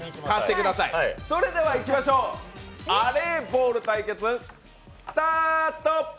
それではいきましょう、アレーボール対決、スタート。